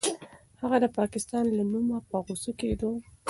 هغه د پاکستان له نومه په غوسه کېده.